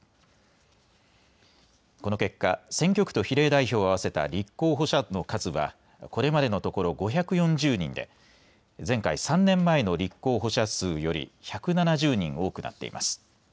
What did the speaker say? この結果、選挙区と比例代表を合わせた立候補者の数はこれまでのところ５４０人で前回３年前の立候補者数より１７０人多くなっています。